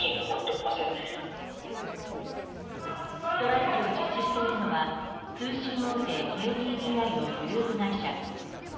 ストライキを実施しているのは通信大手ＫＤＤＩのグループ会社